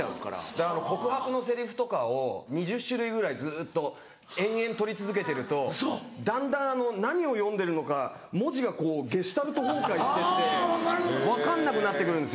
だから告白のセリフとかを２０種類ぐらいずっと延々とり続けてるとだんだん何を読んでるのか文字がゲシュタルト崩壊してって分かんなくなってくるんですよ。